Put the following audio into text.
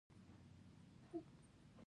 دا دواړه مستقل پاتې شوي دي